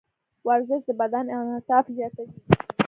ورزش د بدن انعطاف زیاتوي.